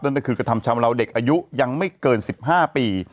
นั่นก็คือกระทำชำราวเด็กอายุยังไม่เกิน๑๕ปี